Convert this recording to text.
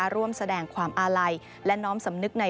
ร่วมแสดงความอาลัยและน้อมสำนึกใน